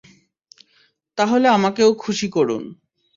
তাহলে আমাকেও খুশি করুন।